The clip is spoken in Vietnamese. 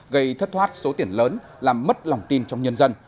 gây thất thoát số tiền lớn làm mất lòng tin trong nhân dân